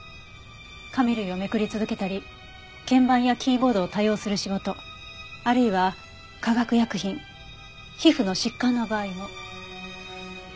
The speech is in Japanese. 紙類をめくり続けたり鍵盤やキーボードを多用する仕事あるいは化学薬品皮膚の疾患の場合も。